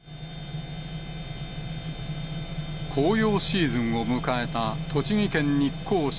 紅葉シーズンを迎えた栃木県日光市。